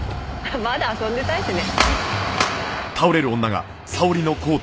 まだ遊んでたいしね。